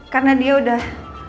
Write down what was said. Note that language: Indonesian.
karena dia udah